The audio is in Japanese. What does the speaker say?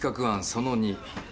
その２。